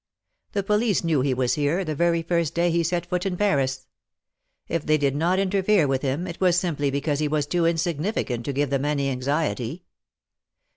The police knew he was here, the very first day he set foot in Paris. If they did not interfere with him, it was simply because he was too insignificant to give them any anxiety."